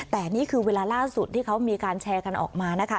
แต่นี่คือเวลาล่าสุดที่เขามีการแชร์กันออกมานะคะ